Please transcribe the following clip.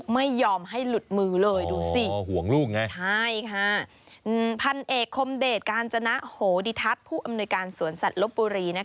พันเอกคมเดชกาญจนโฮดิทัศน์ผู้อำนวยการสวนสัตว์ลบบุรี